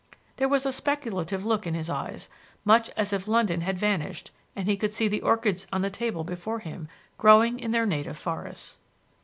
There was a speculative look in his eyes, much as if London had vanished and he could see the orchids on the table before him growing in their native forests.